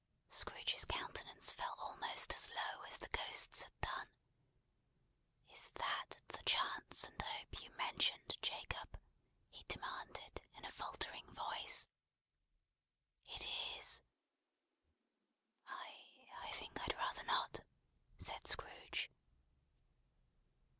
Scrooge's countenance fell almost as low as the Ghost's had done. "Is that the chance and hope you mentioned, Jacob?" he demanded, in a faltering voice. "It is." "I I think I'd rather not," said Scrooge.